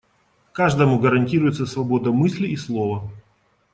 Каждому гарантируется свобода мысли и слова.